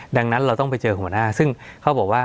ดังนั้นเราต้องไปเจอกับหัวหน้าซึ่งเขาบอกว่า